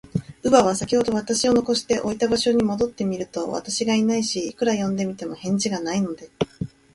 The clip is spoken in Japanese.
乳母は、さきほど私を残しておいた場所に戻ってみると、私がいないし、いくら呼んでみても、返事がないので、